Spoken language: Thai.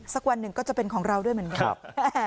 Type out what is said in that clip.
วันหนึ่งก็จะเป็นของเราด้วยเหมือนกัน